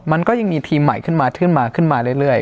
มันก็ยังมีทีมใหม่ขึ้นมาขึ้นมาขึ้นมาขึ้นมาเรื่อย